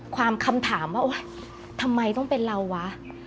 ความคำถามว่าทำไมต้องเป็นเราวะ